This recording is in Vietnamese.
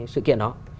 sự kiện đó